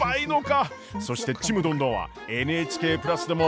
そして「ちむどんどん」は「ＮＨＫプラス」でも配信中！